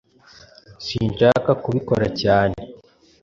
Sinshaka kubikora cyane.